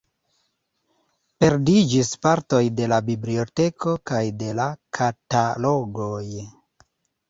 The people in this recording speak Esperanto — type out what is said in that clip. Perdiĝis partoj de la biblioteko kaj de la katalogoj.